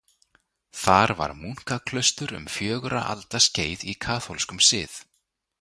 Þar var munkaklaustur um fjögurra alda skeið í kaþólskum sið.